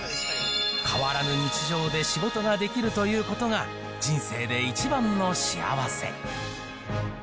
変わらぬ日常で仕事ができるということが、人生で一番の幸せ。